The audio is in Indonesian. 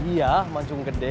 iya mancung gede